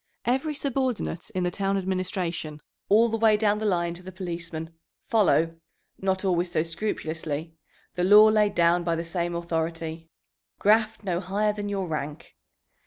Every subordinate in the town administration, all the way down the line to the policemen, follow not always so scrupulously the law laid down by the same authority, "Graft no higher than your rank."